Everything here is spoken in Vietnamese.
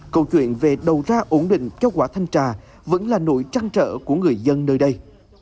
câu chuyện về đầu ra ổn định cho quả thanh trà vẫn là nỗi trăng trở của người dân nơi đây